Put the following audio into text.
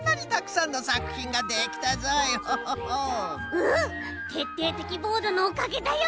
うんてっていてきボードのおかげだよ。